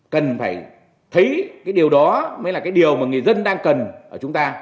cần phải thấy cái điều đó mới là cái điều mà người dân đang cần ở chúng ta